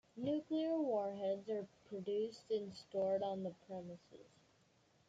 Nuclear warheads are produced and stored on the premises.